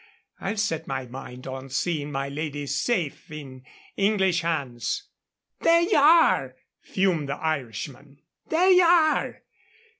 I've set my mind on seeing my lady safe in English hands." "There ye are," fumed the Irishman. "_There ye are!